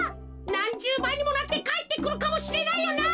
なんじゅうばいにもなってかえってくるかもしれないよな。